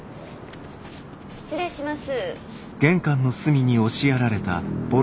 失礼します。